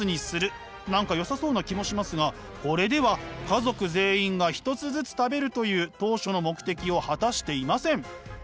何かよさそうな気もしますがこれでは家族全員が１つずつ食べるという当初の目的を果たしていません。